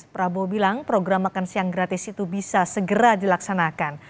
prabowo bilang program makan siang gratis itu bisa segera dilaksanakan